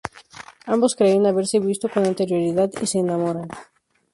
Ambos creen haberse visto con anterioridad y se enamoran.